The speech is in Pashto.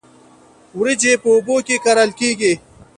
وریجې په اوبو کې کرل کیږي